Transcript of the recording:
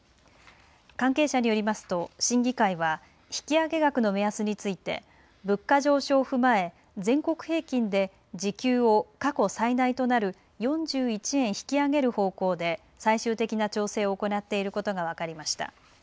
関係者によりますと、審議会は引き上げ額の目安について物価上昇を踏まえ全国平均で時給を過去最大となる４１円引き上げる方向で最終的な調整を行っていることが分かりました。